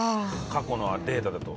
過去のデータだと。